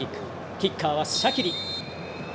キッカーはシャキリ。